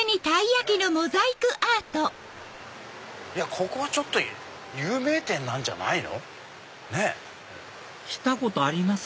ここはちょっと有名店なんじゃないの？来たことあります